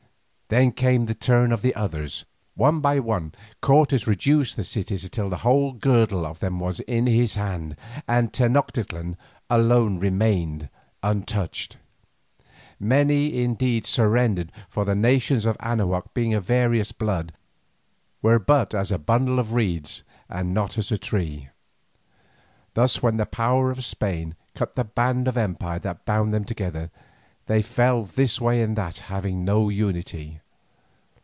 Then came the turn of the others; one by one Cortes reduced the cities till the whole girdle of them was in his hand, and Tenoctitlan alone remained untouched. Many indeed surrendered, for the nations of Anahuac being of various blood were but as a bundle of reeds and not as a tree. Thus when the power of Spain cut the band of empire that bound them together, they fell this way and that, having no unity.